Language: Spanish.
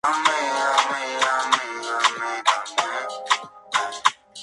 Abarca una superficie de unos seiscientos cuarenta kilómetros cuadrados.